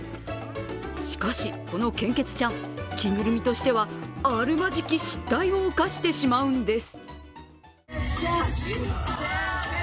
しかし、この献血ちゃん、着ぐるみとしてはあるまじき失態を犯してしまうんです。